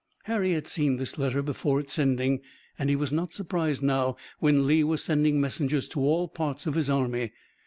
Harry had seen this letter before its sending, and he was not surprised now when Lee was sending messengers to all parts of his army.